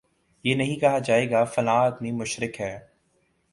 یہ نہیں کہا جائے گا فلاں آدمی مشرک ہے